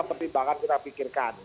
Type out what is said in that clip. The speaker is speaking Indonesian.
pertimbangkan kita pikirkan